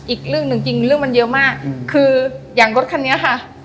อีกเรื่องหนึ่งจริงเรื่องมันเยอะมากคืออย่างรถคันนี้ค่ะ